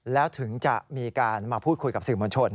แล้วถึงจะมีการมาพูดคุยกับสื่อมวลชน